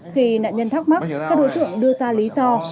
khi nạn nhân thắc mắc các đối tượng đưa ra lý do